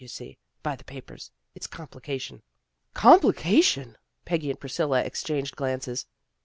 You'll see by the papers. It's complication." " Complication! " Peggy and Priscilla ex changed glances.